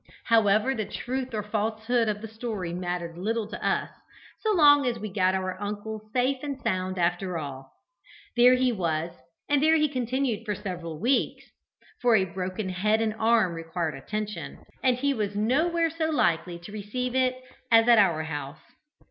However, the truth or falsehood of the story mattered little to us, so long as we had got our uncle safe and sound after all. There he was, and there he continued for several weeks; for a broken head and arm required attention, and he was nowhere so likely to receive it as at our house.